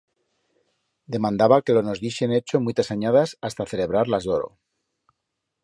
Demandaba que lo nos dixe en Echo muitas anyadas hasta celebrar las d'oro.